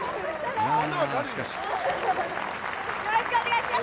よろしくお願いします！